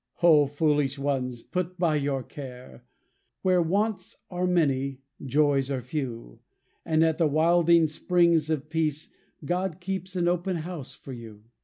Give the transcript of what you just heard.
O foolish ones, put by your care! Where wants are many, joys are few; And at the wilding springs of peace, God keeps an open house for you.